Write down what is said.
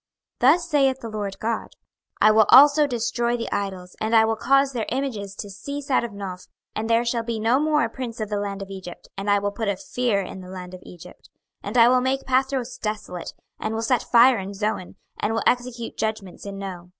26:030:013 Thus saith the Lord GOD; I will also destroy the idols, and I will cause their images to cease out of Noph; and there shall be no more a prince of the land of Egypt: and I will put a fear in the land of Egypt. 26:030:014 And I will make Pathros desolate, and will set fire in Zoan, and will execute judgments in No.